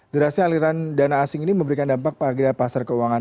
derasnya aliran dana asing ini memberikan dampak pada pasar keuangan